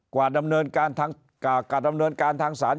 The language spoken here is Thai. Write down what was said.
กว่าดำเนินการทางศาล